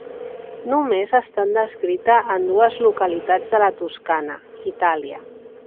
Només ha estat descrita en dues localitats de la Toscana, Itàlia.